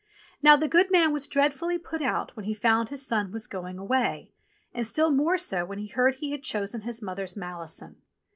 Now the goodman was dread fully put out when he found his son was going away, and still more so when he heard he had chosen his mother's malison.